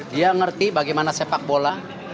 dia ngerti bagaimana sepak bola